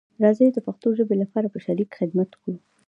راځی د پښتو ژبې لپاره په شریکه خدمت وکړو